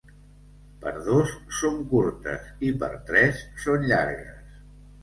Per dos són curtes i per tres són llargues.